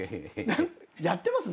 やってます？